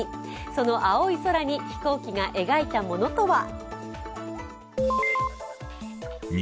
その青い空に飛行機が描いたものとは？